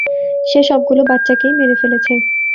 সে সবগুলো বাচ্চাকেই মেরেছে।